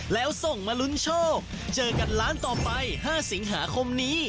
แล้วส่งมาลุ้นโชคเจอกันล้านต่อไป๕สิงหาคมนี้